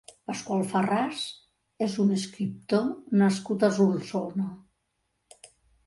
Pasqual Farràs és un escriptor nascut a Solsona.